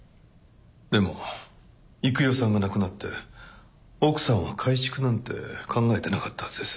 でも幾代さんが亡くなって奥さんは改築なんて考えてなかったはずです。